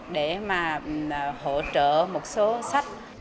để mà hỗ trợ một số sách